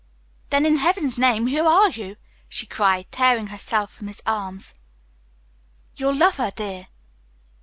"Then, in heaven's name, who are you?" she cried, tearing herself from his arms. "Your lover, dear!"